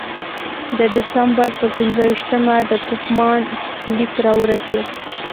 د ډسامبر پر پنځه ویشتمه د کوفمان لیک راورسېد.